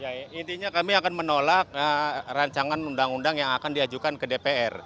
ya intinya kami akan menolak rancangan undang undang yang akan diajukan ke dpr